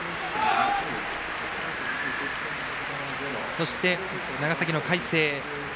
そして、長崎の海星。